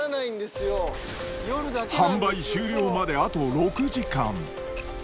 販売終了まであと６時間。